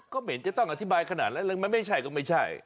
เหม็นจะต้องอธิบายขนาดนั้นมันไม่ใช่ก็ไม่ใช่